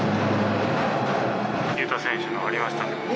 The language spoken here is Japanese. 雄太選手のありました？